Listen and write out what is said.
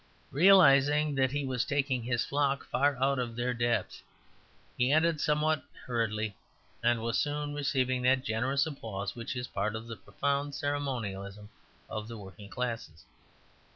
Realizing that he was taking his flock far out of their depth, he ended somewhat hurriedly, and was soon receiving that generous applause which is a part of the profound ceremonialism of the working classes.